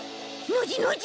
ノジノジ？